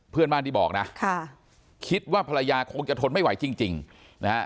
เพื่อนบ้านที่บอกนะค่ะคิดว่าภรรยาคงจะทนไม่ไหวจริงนะฮะ